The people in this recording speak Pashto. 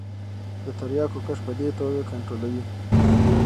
د تریاکو کښت په دې توګه کنترولوي.